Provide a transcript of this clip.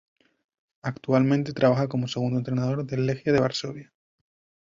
Actualmente trabaja como segundo entrenador del Legia de Varsovia.